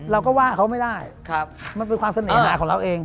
เราก็ว่าเขาไม่ได้มันเป็นความเสน่หาของเราเอง